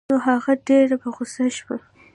نو هغه ډېره په غوسه شوه.